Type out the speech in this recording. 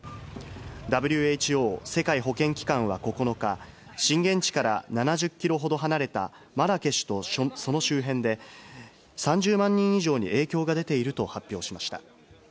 ＷＨＯ・世界保健機関は９日、震源地から７０キロほど離れたマラケシュと、その周辺で、３０万人以上に影響が出ていると発表しました。